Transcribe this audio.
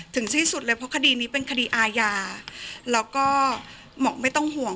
ถึงที่สุดเลยเพราะคดีนี้เป็นคดีอาญาแล้วก็บอกไม่ต้องห่วง